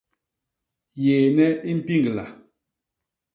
Yééne i mpiñgla.